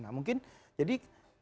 nah mungkin jadi